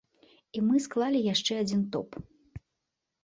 І мы склалі яшчэ адзін топ.